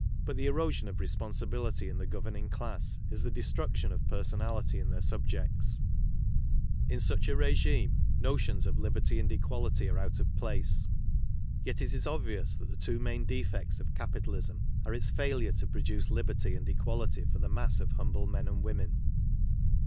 But the erosion of responsi bility in the governing class is the destruction of per sonality in their subjects. In such a regime notions of liberty and equality are out of place. Yet it is obvious that the two main defects of capitalism are its failure to produce liberty and equality for the mass of humble men and women.